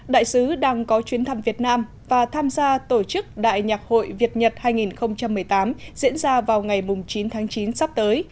đại sứ đang có chuyến thăm việt nam và tham gia tổ chức đại nhạc hội việt nhật hai nghìn một mươi tám diễn ra vào ngày chín tháng chín sắp tới